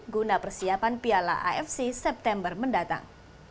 guna persiapan piala afc september mendatang